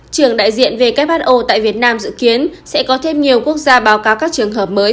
trưởng đại diện who tại việt nam dự kiến sẽ có thêm nhiều quốc gia báo cáo các trường hợp mới